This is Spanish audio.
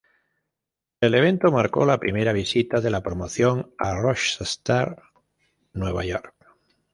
El evento marcó la primera visita de la promoción a Rochester, Nueva York.